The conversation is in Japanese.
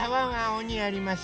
おにやります。